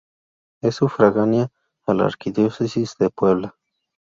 Es sufragánea a la Arquidiócesis de Puebla.